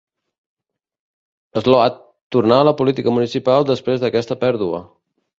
Sloat tornà a la política municipal després d'aquesta pèrdua.